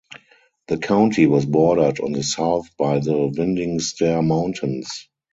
The county was bordered on the south by the Winding Stair Mountains.